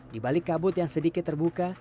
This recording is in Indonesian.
di balik kabut yang sedikit terbuka